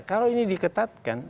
kalau ini diketatkan